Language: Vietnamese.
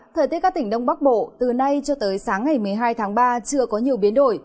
thời tiết các tỉnh đông bắc bộ từ nay cho tới sáng ngày một mươi hai tháng ba chưa có nhiều biến đổi